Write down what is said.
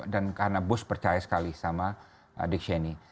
dan karena bush percaya sekali sama dick cheney